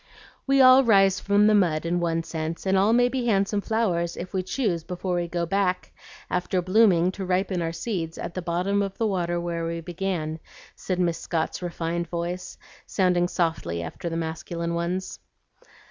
"We all rise from the mud in one sense, and all may be handsome flowers if we choose before we go back, after blooming, to ripen our seeds at the bottom of the water where we began," said Miss Scott's refined voice, sounding softly after the masculine ones.